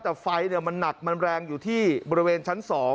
แต่ไฟมันหนักมันแรงอยู่ที่บริเวณชั้น๒